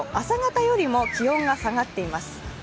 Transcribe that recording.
朝方よりも気温が下がっています。